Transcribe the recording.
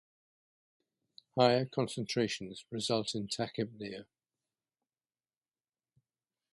Higher concentrations result in tachypnea.